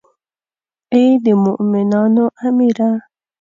ای د مومنانو امیره.